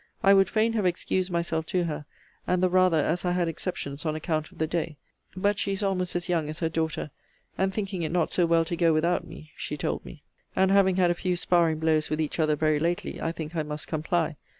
I would fain have excused myself to her; and the rather, as I had exceptions on account of the day:* but she is almost as young as her daughter; and thinking it not so well to go without me, she told me. And having had a few sparring blows with each other very lately, I think I must comply.